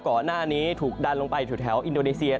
ก่อนหน้านี้ถูกดันลงไปแถวอินโดนีเซีย